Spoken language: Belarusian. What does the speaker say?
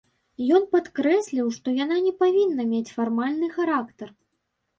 Ён падкрэсліў, што яна не павінна мець фармальны характар.